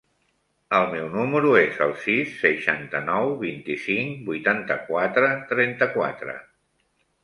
El meu número es el sis, seixanta-nou, vint-i-cinc, vuitanta-quatre, trenta-quatre.